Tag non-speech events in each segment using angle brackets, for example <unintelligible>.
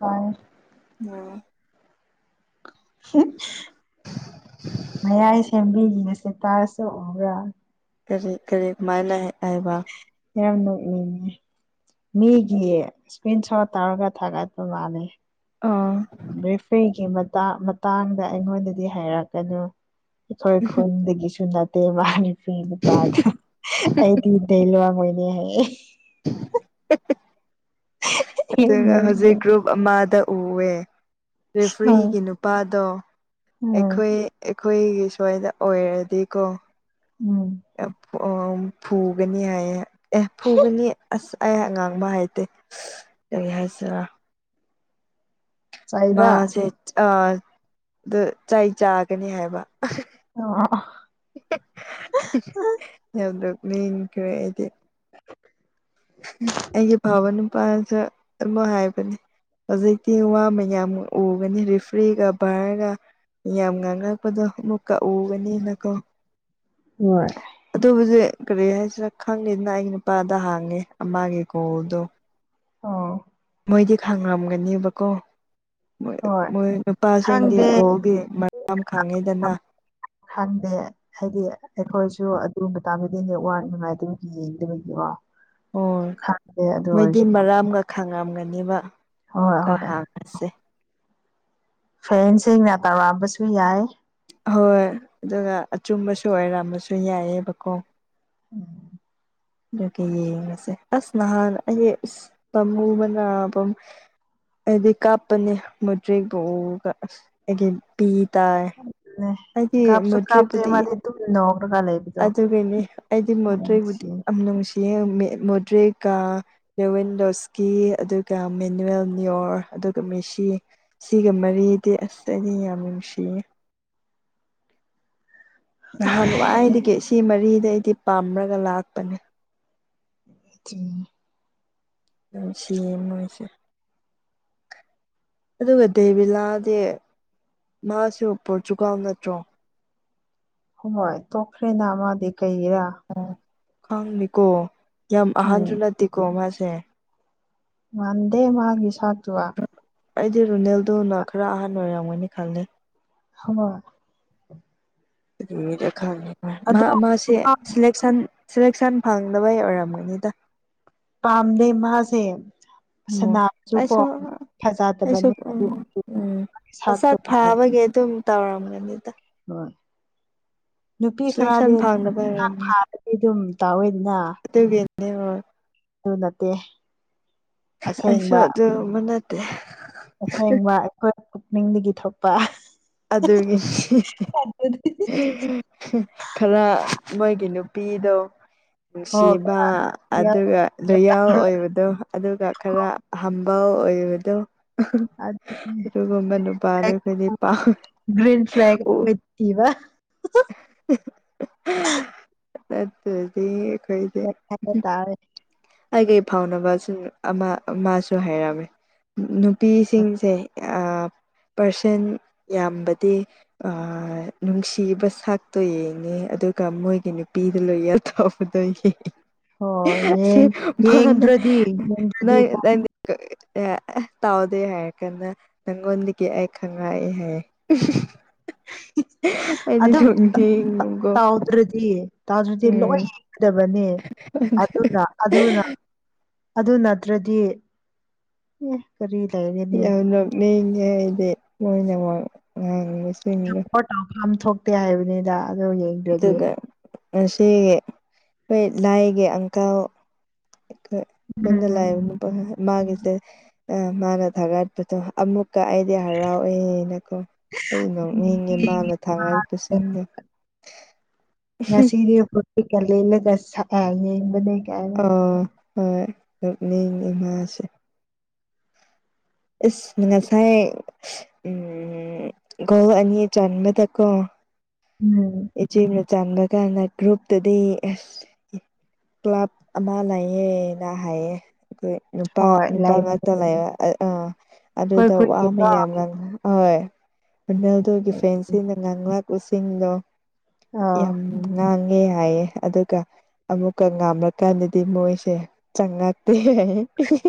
ꯍꯣꯏ ꯃꯌꯥꯏ ꯁꯦꯝꯕꯤꯒꯤ <unintelligible> ꯀꯔꯤ ꯀꯔꯤ ꯀꯃꯥꯏꯅ ꯍꯥꯏꯕ ꯌꯥꯝꯅ ꯅꯣꯛꯅꯤꯡꯉꯤ ꯃꯤꯒꯤ ꯏꯁꯀ꯭ꯔꯤꯟ ꯁꯣꯠ ꯇꯧꯔꯒ ꯊꯥꯒꯠꯄ ꯃꯥꯜꯂꯦ ꯑꯣ ꯕ꯭ꯔꯦꯐ꯭ꯔꯤꯒꯤ ꯃꯇꯥꯡ ꯃꯇꯥꯡꯗ ꯑꯩꯉꯣꯟꯗꯗꯤ ꯍꯥꯏꯔꯛꯀꯅꯨ ꯑꯩꯈꯣꯏ ꯈꯨꯗꯒꯤꯁꯨ ꯅꯠꯇꯦ ꯃꯥ <unintelligible> <inaudible> ꯎꯝ ꯑꯗꯨꯒ ꯍꯨꯖꯤꯛ ꯒ꯭ꯔꯨꯞ ꯑꯃꯗ ꯎꯋꯦ ꯔꯦꯐ꯭ꯔꯤꯒꯤ ꯅꯨꯄꯥꯗꯣ ꯎꯝ ꯑꯩꯈꯣꯏ ꯑꯩꯈꯣꯏꯒꯤ ꯁ꯭ꯋꯥꯏꯗ ꯑꯣꯏꯔꯗꯤꯀꯣ ꯎꯝ ꯌꯥꯝ ꯑꯣ ꯐꯨꯒꯅꯤ ꯍꯥꯏꯌꯦ ꯑꯦ ꯐꯨꯒꯅꯤ ꯑ꯭ꯁ ꯑꯩ ꯉꯥꯡꯕ ꯍꯩꯇꯦ ꯀ꯭ꯔꯤ ꯍꯥꯏꯁꯤꯔ ꯆꯩꯕ ꯃꯥꯁꯦ ꯑ ꯗꯨ ꯆꯩ ꯆꯥꯒꯅꯤ ꯍꯥꯏꯕ ꯑꯣ <unintelligible> <unintelligible> ꯑꯩꯒꯤ ꯐꯥꯕ ꯅꯨꯄꯥꯁꯨ ꯑꯃ ꯍꯥꯏꯕꯅꯦ ꯍꯧꯖꯤꯛꯇꯤ ꯋꯥ ꯃꯌꯥꯝ ꯎꯒꯅꯤ ꯔꯤꯐ꯭ꯔꯤꯒ ꯕ꯭ꯔꯒ ꯌꯥꯝ ꯉꯥꯡꯉꯛꯄꯗꯣ ꯑꯃꯨꯛꯀ ꯎꯒꯅꯤꯅꯀꯣ ꯍꯣꯏ ꯍꯨꯖꯤꯛ ꯀꯔꯤ ꯍꯥꯏꯁꯤꯔ ꯈꯪꯉꯤꯅ ꯑꯩꯒꯤ ꯅꯨꯄꯥꯗ ꯍꯥꯡꯉꯦ ꯑꯃꯒꯤ ꯒꯣꯜꯗꯣ ꯑꯣ ꯃꯣꯏꯗꯤ ꯈꯪꯔꯝꯒꯅꯤꯕꯀꯣ ꯃꯣꯏ ꯍꯣꯏ ꯃꯣꯏ ꯅꯨꯄꯥꯁꯤꯡꯗꯤ ꯈꯪꯗꯦ ꯕꯣꯜꯒꯤ ꯃꯇꯝ ꯈꯪꯉꯤꯗꯅ ꯈꯪꯗꯦ ꯍꯥꯏꯗꯤ ꯑꯩꯈꯣꯏꯁꯨ ꯑ <unintelligible> ꯌꯦꯡꯗꯕꯒꯤ ꯀꯣ ꯑꯣ ꯃꯣꯏꯗꯤ ꯃꯔꯥꯝꯒ ꯈꯥꯡꯉꯝꯒꯅꯤꯕ ꯍꯣꯏ ꯑꯃꯨꯀ ꯍꯥꯁꯦ <unintelligible> ꯇꯧꯔꯝꯕꯁꯨ ꯌꯥꯏ ꯍꯣꯏ ꯑꯗꯨꯒ ꯑꯆꯨꯝꯕꯁꯨ ꯑꯣꯏꯔꯝꯕꯁꯨ ꯌꯥꯏꯌꯦꯕꯀꯣ ꯎꯝ ꯑꯗꯨꯒꯤ ꯌꯦꯡꯑꯁꯦ ꯑ꯭ꯁ ꯅꯍꯥꯟ ꯑꯩ ꯏ꯭ꯁ ꯄꯥꯝꯃꯨꯕꯅ ꯄ ꯑꯩꯗꯤ ꯀꯥꯞꯄꯅꯦ ꯃꯨꯇ꯭ꯔꯦꯛꯕꯨ ꯎꯒ ꯑꯩꯒꯤ ꯄꯤ ꯇꯥꯏ ꯑꯗꯨꯅꯦ ꯑꯩꯗꯤ ꯀꯥꯞꯁꯨ ꯀꯥꯞꯇꯦ ꯃꯨꯗ꯭ꯔꯤꯄꯨꯗꯤ ꯃꯥꯗꯤ ꯑꯗꯨꯝ ꯅꯣꯛꯔꯒ ꯂꯩꯕꯗꯣ ꯑꯗꯨꯒꯤꯅꯤ ꯑꯩꯗꯤ ꯌꯥꯝ ꯅꯨꯡꯁꯤ <unintelligible> ꯅꯨꯡꯁꯤꯌꯦ ꯃꯨꯗ꯭ꯔꯤꯛꯀ ꯂꯦꯋꯤꯟ ꯂꯣꯁꯀꯤ ꯑꯗꯨꯒ ꯃꯦꯅꯨꯋꯦꯜ ꯅꯤꯌꯣꯔ ꯍ ꯑꯗꯨꯒ ꯃꯦꯁꯤ ꯁꯤꯒ ꯃꯔꯤꯗꯤ ꯑꯁ ꯑꯩꯗꯤ ꯌꯥꯝꯅ ꯅꯨꯡꯁꯤꯌꯦ ꯅꯍꯥꯟ ꯋꯥꯏꯗꯒꯤ ꯁꯤ ꯃꯔꯤꯗ ꯑꯩꯗꯤ ꯄꯥꯝꯔꯒ ꯂꯥꯛꯄꯅꯦ <unintelligible> ꯅꯨꯡꯁꯤꯌꯦ ꯃꯣꯢꯁꯦ ꯑꯗꯨꯒ ꯗꯦꯕꯤꯂꯥꯗꯤ ꯃꯥꯁꯨ ꯄꯣꯔꯇꯨꯒꯥꯜ ꯅꯠꯇ꯭ꯔꯣ ꯍꯣꯏ ꯇꯣꯛꯈ꯭ꯔꯦꯅ ꯃꯥꯗꯤ ꯀꯩꯒꯤꯔꯥ ꯑꯣ ꯈꯪꯗꯦꯀꯣ ꯌꯥꯝ ꯎꯝ ꯑꯍꯟꯁꯨ ꯅꯠꯇꯦꯀꯣ ꯃꯥꯁꯦ ꯃꯥꯟꯗꯦ ꯃꯥꯒꯤ ꯁꯥꯛꯇꯨꯑꯥ ꯑꯩꯗꯤ ꯔꯨꯅꯦꯜꯗꯣꯅ ꯈꯔ ꯑꯍꯟ ꯑꯣꯏꯔꯝꯒꯅꯤ ꯈꯜꯂꯦ ꯍꯣꯢ <unintelligible> ꯑꯗꯣ ꯁꯤꯂꯦꯛꯁꯟ ꯁꯦꯂꯦꯛꯁꯟ ꯐꯪꯗꯕꯩ ꯑꯣꯏꯔꯝꯒꯅꯤꯗ ꯄꯥꯝꯗꯦ ꯃꯍꯥꯁꯦ ꯑꯃꯨꯛ ꯁꯅꯥꯕꯁꯨ ꯀꯣ ꯑꯩꯁꯨ ꯑꯩꯁꯨ ꯐꯖꯗꯕꯅꯦ ꯑꯗꯨ ꯎꯝ ꯎꯝ ꯁꯥꯛꯇꯣ ꯃꯁꯛ ꯐꯖꯕ ꯐꯥꯕꯒꯤ ꯑꯗꯨꯝ ꯇꯧꯔꯝꯒꯅꯤꯗ <unintelligible> ꯅꯨꯄꯤ ꯁꯦꯂꯦꯛꯁꯟ ꯈꯔꯗꯤ ꯑꯗꯨꯝ ꯐꯪꯗꯕ ꯑꯣꯏꯔꯝꯅꯤ ꯊꯥꯔꯗꯤ ꯑꯗꯨꯝ ꯇꯧꯋꯦꯗꯅ <unintelligible> ꯑꯗꯨ ꯅꯠꯇꯦ ꯑꯩꯁꯨ ꯑꯁꯦꯡꯕ ꯑꯗꯨꯒꯨꯝꯕ ꯅꯠꯇꯦ ꯑꯁꯦꯡꯕ ꯑꯩꯈꯣꯏ ꯄꯨꯛꯅꯤꯡꯗꯒꯤ ꯊꯣꯛꯄ ꯑꯗꯨꯒꯤ ꯍꯤꯍꯤ ꯈꯔ ꯃꯣꯏꯒꯤ ꯅꯨ ꯄꯤꯗꯣ ꯑꯣ ꯅꯨꯡꯁꯤꯕ ꯑꯗꯨꯒ ꯔꯣꯌꯦꯜ ꯑꯣꯏꯕꯗꯣ ꯑꯗꯨꯒ ꯈꯔꯥ ꯍꯝꯕꯜ ꯑꯣꯏꯕꯗꯣ ꯍꯥꯍꯥꯍꯥ ꯑꯗꯨꯅꯤ ꯑꯗꯨꯒꯨꯝꯕ ꯅꯨꯄꯥꯗꯣ ꯑꯩꯈꯣꯏꯗꯤ ꯄꯥꯝꯃꯨ ꯒ꯭ꯔꯤꯟ ꯐ꯭ꯂꯦꯛ ꯂꯤꯠꯄꯤꯕ ꯑꯍꯤꯍꯤ ꯅꯠꯇ꯭ꯔꯗꯤ ꯑꯩꯈꯣꯏꯗꯤ <unintelligible> ꯇꯥꯔꯦ ꯑꯩꯒꯤ ꯐꯥꯎꯅꯕꯁꯤꯡ ꯑꯃ ꯑꯃꯁꯨ ꯍꯥꯏꯔꯝꯃꯦ ꯅꯨꯄꯤꯁꯤꯡꯁꯦ ꯑꯥ <inaudible> ꯄꯥꯔꯁꯦꯟ ꯌꯥꯝꯕꯗꯤ ꯑꯥ ꯅꯨꯡꯁꯤꯕ ꯁꯛꯇꯣ ꯌꯦꯡꯉꯦ ꯑꯗꯨꯒ ꯃꯣꯏꯒꯤ ꯅꯨꯄꯤꯗꯣ ꯂꯣꯏꯌꯦꯜ ꯇꯧꯕꯗꯣꯏꯒꯤ ꯍꯣꯏ ꯁꯤ ꯌꯦꯡ ꯌꯦꯡꯗ꯭ꯔꯗꯤ ꯃꯤꯅ ꯌꯦꯡꯗ꯭ꯔꯗꯤꯀꯣ <unintelligible> ꯇꯥꯎꯗꯦ ꯍꯥꯏꯔꯀꯥꯟꯗ ꯅꯪꯉꯣꯟꯗꯒꯤ ꯑꯩ ꯈꯪꯉꯛꯑꯦ ꯍꯥꯏꯌꯦ ꯍꯤꯍꯤ ꯑꯍꯦꯍꯦ ꯑꯩꯗꯤ ꯑꯗꯨꯝ ꯅꯣꯛꯅꯤꯡꯉꯦ ꯌꯦꯡꯉꯣꯀꯣ ꯇꯥꯗ꯭ꯔꯗꯤ ꯂꯣꯏ ꯌꯦꯡꯒꯗꯕꯅꯦ ꯑꯗꯨꯅ ꯑꯗꯨꯅ ꯑꯗꯨ ꯅꯠꯇ꯭ꯔꯗꯤ ꯑꯦ ꯀꯔꯤ ꯂꯩꯔꯅꯤ ꯌꯥꯝ ꯅꯣꯛꯅꯤꯡꯉꯦ ꯑꯩꯗꯤ ꯃꯣꯏꯅ ꯋꯥ ꯉꯥꯡꯕ ꯁꯄꯣꯔꯠ ꯇꯧꯐꯝ ꯊꯣꯛꯇꯦ ꯍꯥꯏꯕꯅꯤꯗ ꯑꯗꯨ ꯌꯦꯡꯗ꯭ꯔꯗꯤ ꯉꯁꯤ ꯈꯣꯏ ꯂꯥꯏꯒꯤ ꯑꯪꯀꯜ ꯑꯩꯈꯣꯏ ꯈꯨꯟꯗ ꯎꯝ ꯂꯥꯛꯏꯕ ꯃꯥꯒꯤꯁꯦ ꯑꯥ ꯃꯥꯅ ꯊꯥꯒꯠꯄꯗꯣ ꯑꯃꯨꯛ ꯀꯥ ꯑꯩꯗꯤ ꯍꯔꯥꯎꯋꯦꯅꯀꯣ ꯑꯩ ꯅꯣꯛꯅꯤꯡꯉꯦ ꯃꯥꯅ ꯊꯥꯒꯠꯄꯁꯤꯡꯗꯣ <inaudible> ꯉꯁꯤꯗꯤ <unintelligible> ꯌꯦꯡꯕꯅꯦ ꯀꯥꯏꯅ ꯑꯥ ꯍꯣꯏ ꯅꯣꯡꯅꯤꯡꯉꯦ ꯃꯥꯥꯁꯦ ꯏꯁꯁ ꯉꯁꯥꯏ ꯎꯝ ꯒꯣꯜ ꯑꯅꯤ ꯆꯕꯗꯀꯣ ꯎꯝ ꯏꯆꯤꯞꯅ ꯆꯟꯕ ꯀꯥꯟꯗ ꯒ꯭ꯔꯨꯞꯇꯨꯗꯤ ꯑꯁ ꯀ꯭ꯂꯕ ꯑꯃ ꯂꯩꯌꯦ ꯅꯥ ꯍꯥꯏꯌꯦ ꯍꯣꯏ ꯅꯨꯄꯥ ꯍꯣꯏ ꯅꯨꯄꯥ ꯂꯩ ꯉꯥꯛꯇ ꯂꯩꯕ ꯑꯥ ꯑꯩꯈꯣꯏ ꯑꯗꯨꯗ ꯋꯥ ꯈꯨꯟꯒꯤꯀꯣ ꯃꯌꯥꯝ ꯉꯥꯡ ꯍꯣꯏ <unintelligible> ꯑꯥ ꯆꯪꯉꯦ ꯍꯥꯏꯌꯦ ꯑꯗꯨꯒ ꯑꯃꯨꯛꯀ ꯉꯥꯝꯂꯀꯥꯟꯗꯗꯤ ꯃꯣꯏꯁꯦ ꯆꯡꯉꯛ ꯑꯍꯦ ꯍꯤꯍꯤꯍꯤ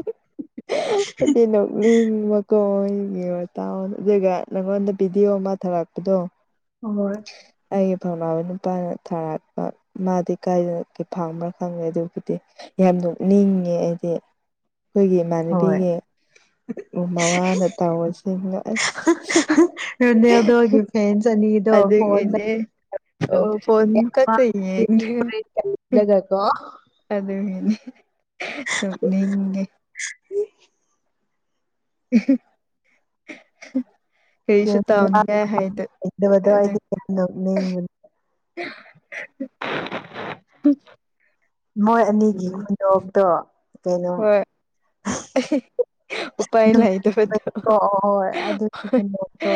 ꯍꯥꯏꯗꯤ ꯅꯣꯛꯅꯤꯡꯕꯀꯣ ꯑꯗꯨꯒꯤ ꯃꯇꯥꯎꯗꯣ ꯑꯗꯨꯒ ꯅꯪꯉꯣꯟꯗ ꯚꯤꯗꯤꯑꯣ ꯑꯃ ꯊꯥꯔꯛꯄꯗꯣ ꯍꯣꯏ ꯑꯩꯒꯤ ꯈꯪꯅꯕ ꯅꯨꯄꯥꯅ ꯊꯥꯔꯛꯄ ꯃꯥꯗꯤ ꯀꯥꯏꯗꯒꯤ ꯐꯪꯕ꯭ꯔꯥ ꯈꯪꯗꯦ ꯑꯗꯨꯕꯨꯗꯤ ꯌꯥꯝ ꯅꯣꯛꯅꯤꯡꯉꯤ ꯍꯥꯏꯗꯤ ꯑꯩꯈꯣꯏꯒꯤ ꯍꯣꯏ ꯏꯃꯥꯟꯅꯕꯤꯒꯤ ꯃꯋꯥ ꯅ ꯇꯧꯕꯁꯤꯡꯗꯣ ꯑꯁ ꯍꯤꯍꯤ ꯔꯣꯅꯜꯗꯣꯒꯤ ꯐꯦꯟꯁ ꯑꯅꯤꯗꯣ ꯐꯣꯟꯗ ꯑꯗꯨꯒꯤꯅꯦ ꯑꯣ ꯐꯣꯟ ꯈꯛꯇ <unintelligible> ꯑꯗꯨꯅꯤꯅꯦ ꯍꯥꯍꯥ ꯅꯣꯛꯅꯤꯡꯉꯦ <unintelligible> ꯀꯩꯁꯨ ꯇꯧꯅꯤꯡꯉꯥꯏ ꯍꯩꯇꯦ ꯗꯕꯗꯣ ꯑꯩꯗꯤ ꯌꯥꯝ ꯅꯣꯛꯅꯤꯡꯕꯅꯤ <unintelligible> ꯃꯣꯏ ꯑꯅꯤꯒꯤ ꯈꯨꯣꯟꯅꯣꯛꯇꯣ ꯀꯩꯅꯣ <unintelligible> ꯎꯄꯥꯏ ꯂꯩꯇꯕꯗꯣ ꯑꯣ ꯍꯣꯏ ꯑꯗꯨ ꯈꯨꯅꯣꯛꯇꯣ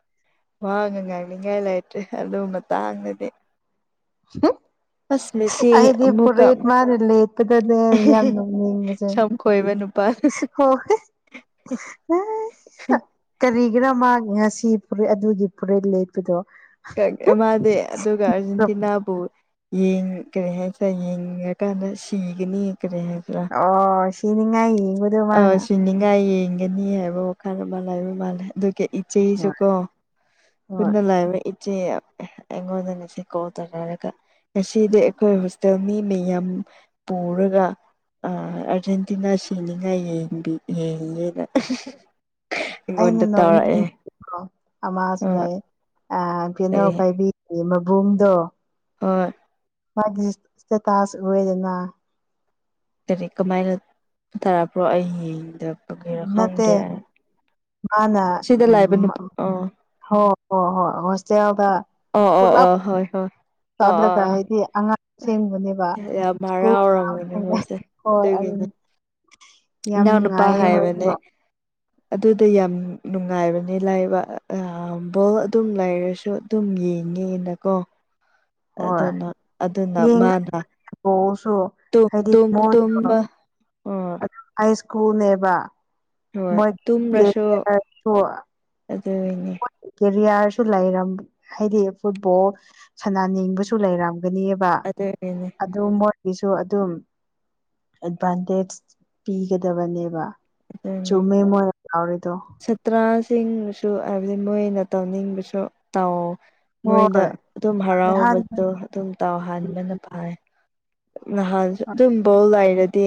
<inaudible> ꯋꯥ ꯒ ꯉꯥꯡꯅꯤꯡꯉꯥꯏ ꯂꯩꯇ꯭ꯔꯦ ꯑꯗꯨ ꯃꯇꯥꯡꯗꯗꯤ <unintelligible> ꯑꯁ ꯃꯦꯁꯤ ꯑꯩꯗꯤ ꯑꯃꯨꯛꯀ ꯐꯨꯔꯤꯠ ꯃꯥꯅ ꯂꯤꯠꯄꯗꯅꯦ ꯌꯥꯝ ꯅꯣꯛꯅꯤꯡꯕꯁꯦ ꯁꯝ ꯈꯣꯏꯕ ꯅꯨꯄꯥ <unintelligible> ꯍꯣꯢ ꯀꯔꯤ ꯒꯤꯔ ꯃꯥ ꯉꯁꯤ ꯐꯨꯔꯤꯠ ꯑꯗꯨꯒꯤ ꯐꯨꯔꯤꯠ ꯂꯤꯠꯄꯗꯣ ꯃꯥꯗꯤ ꯑꯗꯨꯒ ꯑꯥꯔꯖꯦꯟꯇꯤꯅꯥꯕꯨ ꯌꯦꯡ ꯀꯔꯤ ꯍꯥꯏꯁꯤꯔꯥ ꯌꯦꯡꯉꯀꯥꯟꯗ ꯁꯤꯒꯅꯤ ꯀꯔꯤ ꯍꯥꯏꯁꯤꯔꯥ ꯑꯣ ꯁꯤꯅꯤꯉꯥꯏ ꯌꯦꯡꯕꯗꯣ ꯑꯥ ꯃꯥꯅ ꯁꯤꯅꯤꯡꯉꯥꯏ ꯌꯦꯡ <unintelligible> ꯍꯣꯏ ꯏꯆꯦꯖꯨꯀꯣ ꯍꯣꯏ ꯏꯆꯦ ꯑꯩꯉꯣꯟꯗ ꯉꯁꯤ ꯀꯣꯜ ꯇꯧꯅꯔꯒ ꯉꯁꯤꯗꯤ ꯑꯩꯈꯣꯏ ꯍꯣꯁꯇꯦꯜ ꯃꯤ ꯃꯌꯥꯝ ꯄꯨꯔꯒ ꯑꯥ ꯑꯔꯖꯦꯟꯇꯤꯅꯥ ꯁꯤꯅꯤꯉꯥꯏ ꯌꯦꯡꯕꯤ ꯌꯦꯅ ꯑꯩꯅ ꯅꯣꯛꯅꯤꯡꯉꯤꯁꯤꯀꯣ ꯍꯣꯏ ꯀꯔꯤ <unintelligible> ꯍꯣꯏ ꯃꯥꯒꯤ ꯏꯁꯇꯦꯇꯥꯥꯁ ꯎꯔꯦꯗꯅ ꯀꯔꯤ ꯀꯃꯥꯏꯅ ꯇꯧꯕ꯭ꯔꯣ ꯑꯩ ꯌꯦꯡꯗꯕꯅꯤꯅ ꯅꯠꯇꯦ ꯈꯪꯗꯦ ꯃꯥꯅ ꯁꯤꯗ ꯂꯥꯛꯏꯕ ꯎꯝ ꯅꯨꯄꯥ ꯑꯣ ꯍꯣ ꯍꯣꯏ ꯍꯣꯏ ꯍꯣꯁꯇꯦꯜꯗ ꯑꯣ ꯑꯣ ꯄꯨꯂꯞ ꯑꯣ ꯍꯣ ꯍꯣꯏ ꯑꯣ ꯑꯣ ꯆꯠꯂꯒ ꯑꯣ ꯍꯥꯏꯗꯤ ꯑꯉꯥꯡ ꯁꯦꯝꯕꯅꯦꯕ ꯌꯥꯝ ꯁ꯭ꯀꯨꯜ ꯍꯔꯥꯎꯔꯝꯒꯅꯤ ꯍꯣꯏ ꯎꯝ ꯏꯅꯥꯎꯅꯨꯄꯥ ꯍꯥꯏꯕꯅꯦ ꯑꯗꯨꯗ ꯌꯥꯝ ꯅꯨꯡꯉꯥꯏꯕꯅꯤ ꯂꯩꯕ ꯕꯣꯜ ꯑꯗꯨꯝ ꯂꯩꯔꯁꯨ ꯑꯗꯨꯝ ꯌꯦꯡꯉꯦꯅꯀꯣ ꯍꯣꯏ ꯑꯗꯨꯅ ꯑꯗꯨꯅ ꯌꯦꯡꯒ ꯃꯥꯅ ꯕꯣꯜꯁꯨ ꯇ ꯨꯇꯨꯝ ꯇꯨꯝꯕ ꯑꯣ ꯑꯩ ꯁ꯭ꯀꯨꯜ ꯅꯦꯕ ꯍꯣꯏ ꯃꯣꯏ ꯀꯦꯔꯤꯌꯔꯁꯨ ꯑꯗꯨꯅꯤ ꯀꯦꯔꯤꯌꯥꯔꯁꯨ ꯂꯩꯔꯝ ꯍꯥꯏꯗꯤ ꯐꯨꯠꯕꯣꯜ ꯁꯅꯥꯅꯤꯡꯕꯁꯨ ꯂꯩꯔꯝ ꯒꯅꯤꯕ ꯑꯗꯨꯒꯤꯅꯤ ꯑꯗꯨ ꯃꯣꯏ ꯒꯤꯁꯨ ꯑꯗꯨꯝ ꯑꯦꯗꯚꯥꯟꯇꯦꯖ ꯄꯤꯒꯗꯕꯅꯦꯕ ꯆꯨꯝꯃꯦ ꯃꯣꯏ ꯇꯧꯔꯤꯗꯣ ꯁꯥꯠꯇ꯭ꯔꯁꯤꯡꯁꯨ ꯍꯥꯏꯕꯗꯤ ꯃꯣꯏꯅ ꯇꯧꯅꯤꯡꯕꯁꯨ ꯇꯧ ꯃꯣꯏꯗ ꯍꯣꯏ ꯑꯗꯨꯝ ꯅꯍꯥꯟ ꯍꯔꯥꯎꯕꯗꯣ ꯑꯗꯨꯝ ꯇꯥꯎꯍꯟꯕꯅ ꯐꯥꯔꯦ ꯅꯍꯥꯟꯁꯨ ꯑꯗꯨꯝ ꯕꯣꯜ ꯂꯩꯥꯔꯗꯤ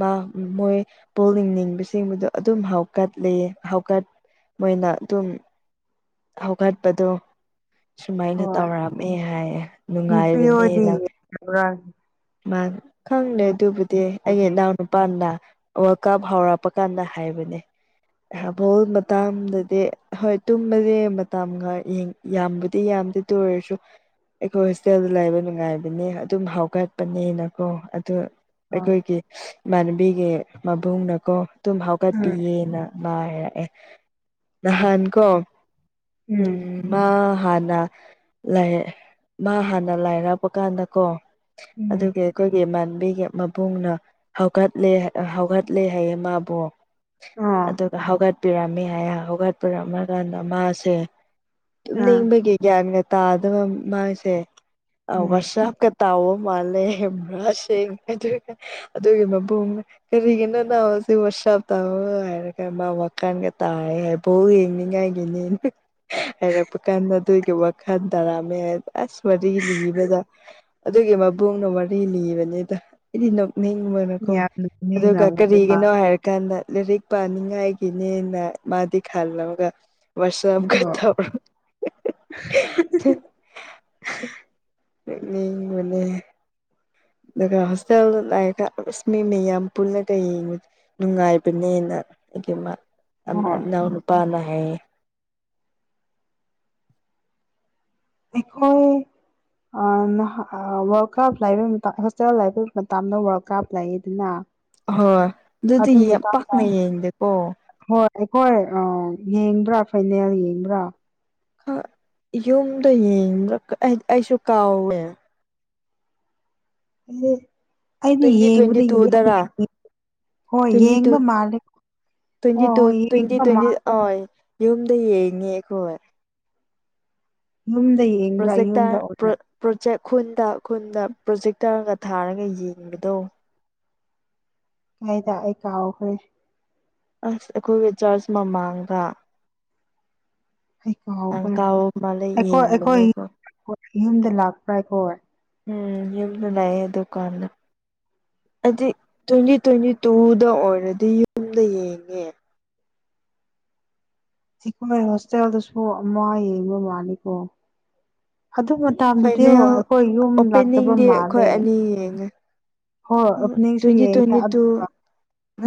ꯃꯥ ꯃꯣꯏ ꯄꯣꯜꯂꯤꯡ ꯂꯤꯡꯕꯁꯤꯡꯕꯗꯣ ꯑꯗꯨꯝ ꯍꯥꯎꯀꯠꯂꯦꯌꯦ ꯍꯥꯎꯀꯠ ꯃꯣꯏꯅ ꯑꯗꯨꯝ ꯍꯧꯒꯠꯄꯗꯣ ꯁꯨꯃꯥꯏꯅ ꯍꯣꯏ ꯇꯧꯔꯝꯃꯦ ꯍꯥꯏꯌꯦ ꯅꯨꯄꯤ ꯑꯣꯏꯗꯤ ꯅꯨꯡꯉꯥꯏꯕꯅꯦꯅ ꯌꯦꯡꯕ꯭ꯔꯥ ꯃꯥ ꯈꯪꯗꯦ ꯑꯗꯨꯕꯨꯗꯤ ꯑꯩ ꯎꯗꯦ ꯏꯅꯥꯎ ꯅꯨꯄꯥꯅ ꯋꯥꯔꯜ ꯀꯞ ꯍꯧꯔꯛꯄ ꯀꯥꯟꯗ ꯍꯥꯏꯕꯅꯦ ꯕꯣꯜ ꯃꯇꯥꯡꯗꯗꯤ ꯍꯣꯏ ꯇꯨꯝꯕꯁꯦ ꯃꯇꯝꯒ ꯌꯦ ꯌꯥꯝꯕꯨꯗꯤ ꯌꯥꯝꯗꯦ ꯑꯗꯨ ꯑꯣꯏꯔꯁꯨ ꯑꯩꯈꯣꯏ ꯍꯣꯁꯇꯦꯜꯗ ꯂꯩꯕ ꯅꯨꯡꯉꯥꯏꯕꯅꯦ ꯑꯗꯨꯝ ꯍꯥꯎꯒꯠꯄꯅꯦꯅꯀꯣ ꯑꯗꯨ ꯍꯣꯏ ꯑꯩꯈꯣꯏꯒꯤ ꯏꯃꯥꯟꯅꯕꯤꯒꯤ ꯃꯕꯨꯡꯅꯀꯣ ꯑꯗꯨꯝ ꯍꯥꯎꯒꯠꯄꯤꯌꯦꯅ <unintelligible> ꯅꯍꯥꯟ ꯀꯣ ꯎꯝ ꯃꯥ ꯃꯥ ꯍꯥꯟꯅ ꯂꯩ ꯝꯝꯃꯥ ꯍꯥꯟꯅ ꯂꯥꯏꯔꯛꯄ ꯀꯥꯟꯗ ꯀꯣ ꯎꯝ ꯑꯗꯨꯒꯤ ꯑꯈꯣꯏꯒꯤ ꯏꯃꯥꯟ ꯕꯤꯒꯤ ꯃꯕꯨꯡꯅ ꯍꯧꯒꯠꯂꯦ ꯍꯧꯒꯠꯂꯦ ꯍꯥꯏꯌꯦ ꯃꯥꯕꯨ ꯑꯣ ꯑꯗꯨꯒ ꯍꯧꯒꯠꯄꯤꯔꯝꯃꯤ ꯍꯥꯏꯌꯦ ꯍꯧꯒꯠꯄꯤꯔꯝꯃꯒꯥ ꯅꯃꯥꯁꯦ ꯑꯥ ꯇꯨꯝꯅꯤꯡꯕꯒꯤ ꯒ꯭ꯌꯥꯟꯒ ꯇꯥꯗꯕ ꯃꯥꯁꯦ ꯎꯝ ꯋꯥꯁꯞꯀ ꯇꯥꯑꯣ ꯃꯥꯜꯂꯦ <unintelligible> ꯑꯗꯨꯒ ꯃꯕꯨꯡ ꯀꯔꯤꯒꯤꯅꯣ ꯅꯥ ꯍꯧꯖꯤꯛ ꯋꯥꯁ꯭ꯞ ꯇꯥꯎꯑꯣ ꯍꯥꯏꯔꯒ ꯃꯥ ꯋꯥꯈꯟꯒ ꯇꯥꯏ ꯍꯥꯏ ꯕꯣꯜ ꯌꯦꯡꯅꯤꯉꯥꯏ ꯍꯥꯏꯔꯛꯄ ꯀꯥꯟꯗ ꯑꯗꯨꯒꯤ ꯋꯥꯈꯟ ꯇꯥꯔꯝꯃꯦ ꯍꯥꯏꯕ ꯑꯁ ꯋꯥꯔꯤ ꯂꯤꯕꯗ ꯑꯗꯨꯒꯤ ꯃꯕꯨꯡꯅ ꯋꯥꯔꯤ ꯂꯤꯕꯅꯤꯗ ꯑꯩꯗꯤ ꯅꯞ ꯅꯤꯡꯕꯅꯀꯣ ꯌꯥꯝ ꯑꯗꯨꯒ ꯅꯣꯛꯅꯤꯡꯉꯝꯒꯅꯤ ꯀꯔꯤꯒꯤꯅꯣ ꯍꯥꯏꯔꯀꯥꯟꯗ ꯂꯥꯏꯔꯤꯛ ꯄꯥꯅꯤꯡꯉꯥꯏꯒꯤꯅꯦꯅ ꯃꯥꯗꯤ ꯈꯜꯂꯒ ꯋꯥꯔꯁꯞꯀ ꯃꯥꯁꯨ ꯇꯧꯔ ꯅꯣꯛꯅꯤꯡꯕꯅꯦ ꯑꯗꯨꯒ ꯍꯣꯁꯇꯦꯜꯗ ꯂꯩꯑꯒ ꯑꯁ ꯃꯤ ꯃꯌꯥꯝ ꯄꯨꯟꯂꯒ ꯌꯦꯡꯕ ꯅꯨꯡꯉꯥꯏꯕꯅꯦꯅ ꯍꯣꯏ <unintelligible> ꯅꯨꯄꯥꯅ ꯍꯥꯏꯌꯦ ꯑꯩꯈꯣꯏ ꯑꯥ ꯅꯍꯥ ꯑꯥ ꯋꯥꯔꯜ ꯀꯞ ꯂꯩꯕ ꯃꯇꯝ ꯍꯣꯁꯇꯦꯜ ꯂꯩꯕ ꯃꯇꯗ ꯋꯥꯔꯜ ꯀꯞ ꯂꯩꯌꯦꯗꯅ ꯍꯣꯏ ꯗꯨꯗꯤ ꯑꯗꯨ ꯌꯥꯝ ꯃꯇꯥꯡꯗ ꯄꯥꯛꯅ ꯌꯦꯡꯗꯦꯀꯣ ꯍꯣꯏ ꯑꯩꯈꯣꯏ ꯑꯥ ꯌꯦꯡꯕ꯭ꯔꯥ ꯐꯥꯏꯅꯦꯜ ꯌꯦꯡꯕ꯭ꯔꯥ ꯌꯨꯝꯗ ꯌꯦꯡꯕ꯭ꯔ ꯀꯩ ꯑꯩꯁꯨ ꯀꯥꯎꯋꯦ ꯑꯩꯗꯤ ꯇ꯭ꯋꯦꯟꯇꯤ ꯇ꯭ꯋꯦꯟꯇꯤ ꯌꯦꯡꯕꯗ ꯇꯨꯗꯔꯥ <unintelligible> ꯍꯣꯏ ꯇ꯭ꯋꯦꯟꯇꯤ ꯇꯨ ꯌꯦꯡꯕ ꯃꯥꯜꯂꯦ ꯍꯣ ꯇ꯭ꯋꯦꯟꯇꯤ ꯇꯨ ꯍꯣꯏ ꯌꯦꯡꯕ ꯃꯥꯜꯂꯦ ꯗꯌꯦꯡꯉꯦ ꯑꯩꯈꯣꯏ ꯌꯨꯝꯗ ꯌꯦꯡꯕ꯭ꯔꯥ ꯄ꯭ꯔꯣꯖꯦꯛꯇꯛ ꯌꯨꯝꯗ ꯄ꯭ꯔꯣ ꯑꯣꯏꯅ ꯄ꯭ꯔꯣꯖꯦꯛ ꯈꯨꯟꯗ ꯈꯨꯟꯗ ꯄ꯭ꯔꯣꯖꯦꯛꯇꯔꯒ ꯊꯥꯔꯒ ꯌꯦꯡꯕꯗꯣ ꯀꯥꯏꯗ ꯑꯩ ꯀꯥꯎꯈ꯭ꯔꯦ ꯑꯁ ꯑꯩꯈꯣꯏꯒꯤ ꯆꯔꯆ ꯃꯃꯥꯡꯗ ꯑꯩ ꯅꯪ ꯀꯥꯎꯈ꯭ꯔꯦ ꯀꯥꯎꯕ ꯃꯥꯜꯂꯦ ꯑꯩꯈꯣꯏ ꯑꯩꯈꯣꯏ ꯌꯦꯡꯕꯅꯦꯀꯣ ꯌꯨꯝꯗ ꯂꯥꯛꯄ꯭ꯔꯥ ꯑꯩꯈꯣꯏ ꯎꯝ ꯌꯨꯝꯗ ꯂꯩꯌꯦ ꯑꯗꯨꯀꯥꯟꯗ ꯑꯗꯤ ꯇ꯭ꯋꯦꯟꯇꯤ ꯇ꯭ꯋꯦꯟꯇꯤ ꯇꯨꯗ ꯑꯣꯏꯔꯗꯤ ꯌꯨꯝꯗ ꯌꯦꯡꯉꯦ ꯖꯤꯈꯣꯏ ꯍꯣꯁꯇꯦꯜꯗꯁꯨ ꯑꯃ ꯌꯦꯡꯕ ꯃꯥꯜꯂꯤꯀꯣ ꯑꯗꯨ ꯃꯇꯥꯗꯨꯗꯤ ꯑꯣ ꯐꯥꯏꯅꯦꯜ ꯑꯈꯣꯏ ꯌꯨꯝ ꯂꯥꯛꯇꯕ ꯑꯣꯄꯦꯅꯤꯡꯗꯤ ꯑꯩꯈꯣꯏ ꯃꯥꯜꯂꯦ ꯑꯅꯤ ꯌꯦꯡꯉꯦ ꯍꯣꯏ ꯑꯣꯄꯅꯤꯡꯁꯨ ꯇ꯭ꯋꯦꯟꯇꯤ ꯌꯦꯡꯉꯦ ꯇ꯭ꯋꯦꯟꯇꯤ ꯑꯗꯨ ꯇꯨ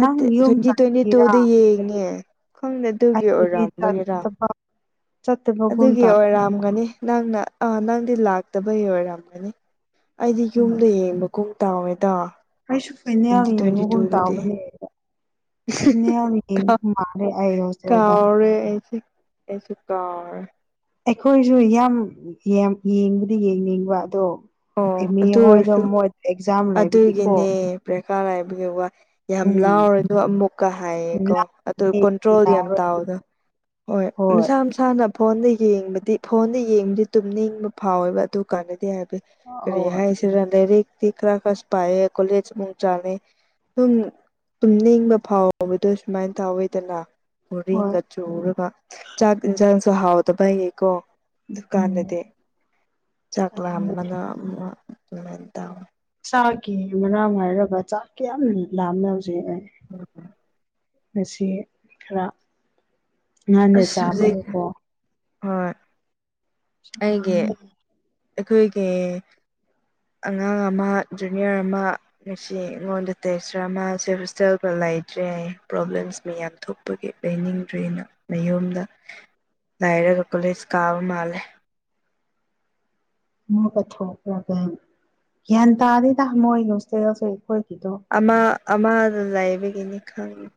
ꯅꯪ ꯌꯨꯝ ꯇ꯭ꯋꯦꯟꯇꯤ ꯇ꯭ꯋꯦꯟꯇꯤ ꯆꯠꯈꯤꯔꯥ ꯇꯨꯗ ꯌꯦꯡꯉꯦ ꯈꯪꯗꯦ ꯑꯗꯨꯒꯤ ꯑꯩꯕꯨꯗꯤ ꯑꯣꯏꯔꯝꯕꯒꯤꯔ ꯆꯠꯇꯕ ꯆꯠꯇꯕꯒꯨꯝ ꯑꯗꯨꯒꯤ ꯇꯧꯋꯦ ꯑꯣꯏꯔꯝꯒꯅꯤ ꯅꯪꯅ ꯑꯥ ꯅꯪꯗꯤ ꯂꯥꯛꯇꯕꯩ ꯑꯣꯏꯔꯝꯒꯅꯤ ꯑꯩꯗꯤ ꯌꯨꯝꯗ ꯌꯦꯡꯕꯒꯨꯝ ꯇꯧꯋꯦꯗ ꯑꯩꯩꯁꯨ ꯐꯩꯏꯅꯦꯜ ꯇ꯭ꯋꯦꯟꯇꯤ ꯇ꯭ꯋꯦꯟꯇꯤ ꯌꯦꯡꯉꯕꯒꯨꯝ ꯇꯨꯗꯗꯤ ꯇꯧꯕꯅꯦ ꯀꯥꯎꯔꯦ <unintelligible> ꯑꯩꯁꯦ ꯑꯩꯁꯨ ꯀꯥꯎꯔꯦ ꯑꯩꯈꯣꯏꯁꯨ ꯌꯥꯝ ꯌꯦꯡꯕꯗꯤ ꯌꯦꯡꯅꯤꯡꯕ ꯑꯗꯣ ꯑꯣ ꯑꯦꯝꯃꯤ ꯑꯗꯨ ꯍꯣꯏꯗꯣ ꯑꯣꯏꯔꯁꯨ ꯃꯣꯏ ꯑꯦꯛꯖꯥꯝ ꯂꯩꯕꯒꯤꯀꯣ ꯑꯗꯨꯒꯤꯅꯦ ꯄ꯭ꯔꯦꯀꯥ ꯂꯥꯏꯕꯒꯤ ꯋꯥꯏ ꯌꯥꯍꯧ ꯎꯝ ꯂꯥꯎꯔꯅꯨ ꯑꯃꯨꯛꯀ ꯍꯥꯏꯌꯦꯀꯣ ꯂꯥꯛꯑꯦ ꯑꯗꯨ ꯀꯣꯟꯇ꯭ꯔꯣꯜꯗꯤ ꯌꯥꯝ ꯌꯥꯔꯣꯏ ꯇꯥꯎꯗꯣ ꯍꯣꯏ ꯃꯁꯥ ꯃꯁꯥꯅ ꯐꯣꯟꯗ ꯌꯦꯡꯕꯗꯤ ꯐꯣꯟꯗ ꯌꯦꯡꯕꯗꯤ ꯇꯨꯝꯅꯤꯡꯕ ꯐꯥꯎꯋꯦꯕ ꯑꯗꯨ ꯀꯥꯟꯅꯗꯤ ꯍꯥꯏꯕ ꯀꯔꯤ ꯍꯣꯏ ꯍꯥꯏꯁꯤ ꯂꯥꯏꯔꯤꯛ ꯇꯤ ꯈꯔ ꯈꯔ ꯄꯥꯏꯌꯦ ꯀꯣꯂꯦꯖ ꯑꯃꯨꯛ ꯆꯠꯂꯦ ꯑꯗꯨꯝ ꯇꯨꯝꯅꯤꯡꯕ ꯐꯥꯎꯕꯗꯣ ꯁꯨꯃꯥꯏꯅ ꯇꯧꯋꯦꯗꯅ ꯍꯣꯏ ꯕꯣꯔꯗꯤꯡꯗ ꯆꯨꯔꯒ ꯆꯥꯛ ꯌꯦꯟꯁꯥꯡꯁꯨ ꯍꯥꯎꯇꯕꯩꯒꯤꯀꯣ ꯗꯨ ꯎꯝ ꯀꯥꯟꯗꯗꯤ ꯆꯥꯛ ꯑꯗꯨꯅꯦ ꯂꯥꯝꯃꯅ ꯑꯃ ꯑꯗꯨꯃꯥꯏꯅ ꯇꯧꯋꯦ <unintelligible> ꯃꯁꯤ ꯈꯔ ꯉꯥꯟꯅ ꯑꯁ ꯍꯧꯖꯤꯛ ꯆꯥꯕꯒꯤꯀꯣ ꯍꯣꯏ ꯑꯩꯒꯤ <unintelligible> ꯑꯩꯈꯣꯏꯒꯤ ꯑꯉꯥꯡ ꯑꯃ ꯖꯨꯅꯤꯌꯔ ꯑꯃ ꯉꯁꯤ ꯑꯩꯉꯣꯟꯗ ꯇꯦꯛꯆꯔ ꯑꯃ ꯃꯁꯤ ꯍꯣꯁꯇꯦꯜꯗ ꯂꯩ ꯂꯩꯇ꯭ꯔꯦ ꯄ꯭ꯔꯣꯕ꯭ꯂꯦꯝꯁ ꯃꯌꯥꯝ ꯊꯣꯛꯄꯒꯤ ꯂꯩꯅꯤꯡꯗ꯭ꯔꯦꯅ ꯃꯌꯨꯝꯗ ꯂꯩꯔꯒ ꯀꯣꯂꯦꯁ ꯀꯥꯕ ꯃꯥꯜꯂꯦ <unintelligible> ꯑꯃ ꯑꯃꯗ ꯂꯩꯕꯒꯤꯅꯤ ꯈꯪꯉꯦ